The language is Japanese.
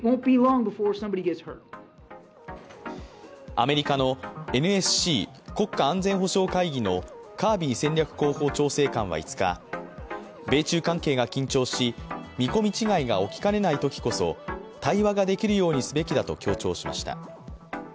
アメリカのＮＳＣ＝国家安全保障会議のカービー戦略広報調整官は５日米中関係が緊張し、見込み違いが起きかねないときこそ対話ができるようにすべきだと強調しました。